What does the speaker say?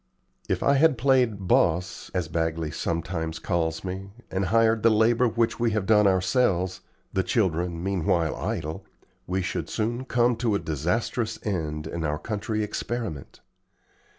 If I had played 'boss,' as Bagley sometimes calls me, and hired the labor which we have done ourselves, the children meanwhile idle, we should soon come to a disastrous end in our country experiment.